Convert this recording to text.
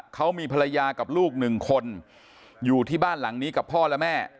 เขามีภรรยากับลูกหนึ่งคนอยู่ที่บ้านหลังนี้กับพ่อและแม่